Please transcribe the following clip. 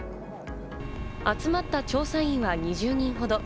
集まった調査員は２０人ほど。